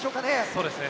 そうですね。